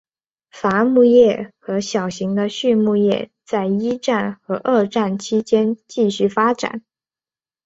伐木业和小型的畜牧业在一战和二战期间继续发展。